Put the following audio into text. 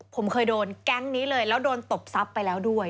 ผมเคยโดนแก๊งนี้เลยแล้วโดนตบทรัพย์ไปแล้วด้วย